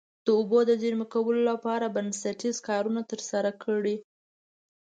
د اوبو د زیرمه کولو لپاره بنسټیز کارونه ترسره کړي.